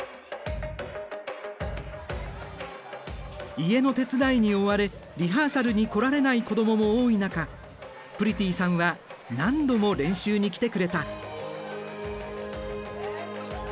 家の手伝いに追われリハーサルに来られない子供も多い中プリティさんは何度も練習に来てくれた。